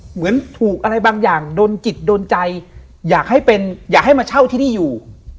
เหมือนถูกอะไรบางอย่างโดนจิตโดนใจอยากให้เป็นอยากให้มาเช่าที่นี่อยู่